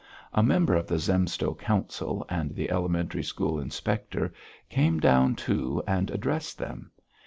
A member of the Zemstvo Council and the elementary school inspector came down too and addressed them.